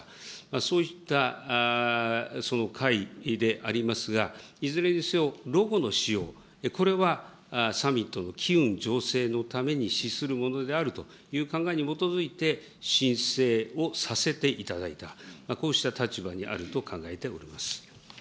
そういったその会でありますが、いずれにせよ、ロゴの使用、これはサミットの機運醸成のために資するものであるという考えに基づいて、申請をさせていただいた、こうした立場にあると考えております。